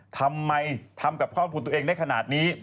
ทำไมทำกับข้อมูลตัวเองได้ขนาดนี้